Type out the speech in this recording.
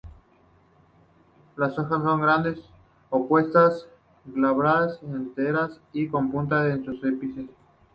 Las hojas son grandes, opuestas, glabras, enteras, y con punta en sus ápices.